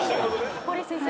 堀井先生。